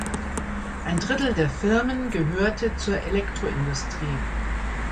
Ein Drittel der Firmen gehörte zur Elektroindustrie.